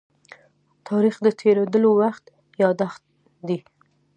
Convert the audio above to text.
تاریخ د تېرېدلو وخت يادښت دی.